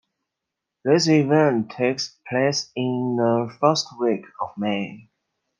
This event takes place in the first week of May.